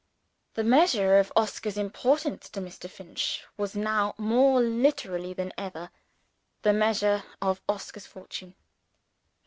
The measure of Oscar's importance to Mr. Finch was now, more literally than ever, the measure of Oscar's fortune.